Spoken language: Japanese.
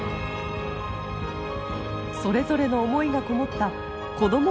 それぞれの思いが籠もった子ども